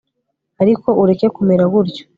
ariko ureke kumera gutyo